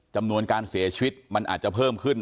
จำนวนการเสียชีวิตมันอาจจะเพิ่มขึ้น